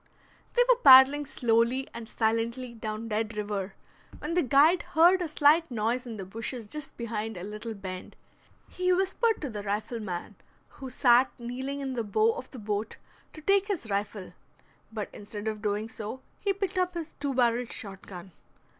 They were paddling slowly and silently down Dead River, when the guide heard a slight noise in the bushes just behind a little bend. He whispered to the rifleman, who sat kneeling in the bow of the boat, to take his rifle. But instead of doing so he picked up his two barreled shot gun.